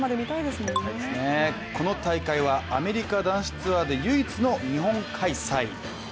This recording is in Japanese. この大会はアメリカ男子ツアーで唯一の日本開催。